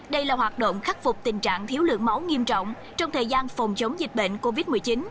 đây là hoạt động khắc phục tình trạng thiếu lượng máu nghiêm trọng trong thời gian phòng chống dịch bệnh covid một mươi chín